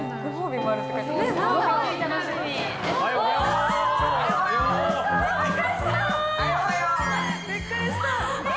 びっくりした。